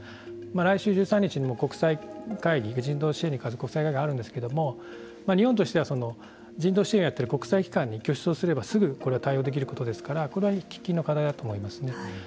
来週１３日にも国際会議人道支援に関する国際会議があるんですけども日本としては人道支援をやってる国際機関に拠出をすればすぐこれは対応できることですからこれは喫緊の課題だと思いますね。